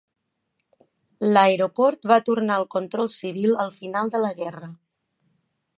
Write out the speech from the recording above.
L'aeroport va tornar al control civil al final de la guerra.